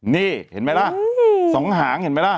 นี่เห็นไหมล่ะ๒หางเห็นไหมล่ะ